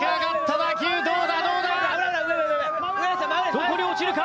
どこに落ちるか？